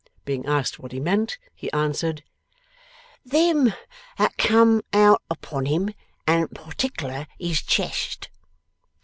Being asked what he meant, he answered, them that come out upon him and partickler his chest.